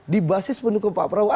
di basis pendukung pak prabowo